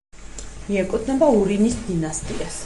მიეკუთვნება ურინის დინასტიას.